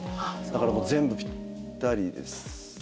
だから全部ぴったりですね。